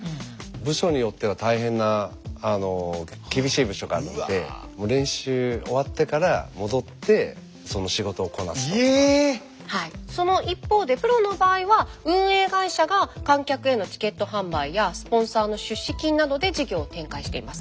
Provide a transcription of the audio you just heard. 部署によっては大変な厳しい部署があるのでその一方でプロの場合は運営会社が観客へのチケット販売やスポンサーの出資金などで事業を展開しています。